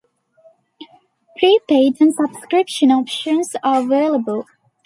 Pre-Paid and Subscription options are available.